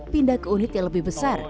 pindah ke unit yang lebih besar